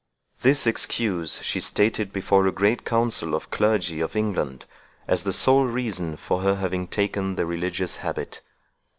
This excuse she stated before a great council of the clergy of England, as the sole reason for her having taken the religious habit.